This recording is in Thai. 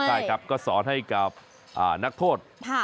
ใช่ครับก็สอนให้กับนักโทษ